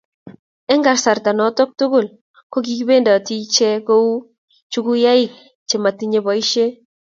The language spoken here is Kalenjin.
eng' kasarta noto tugul ko kibendoti icheke kou chukuyaik che matinyei boisie.